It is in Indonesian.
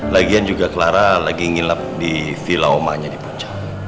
lagian juga clara lagi ngilap di vila omanya di puncak